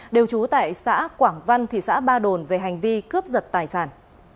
đều trú tại xã quảng văn thị xã ba đồn về hành vi cướp giật tài sản